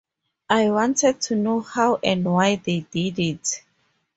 I wanted to know how and why they did it.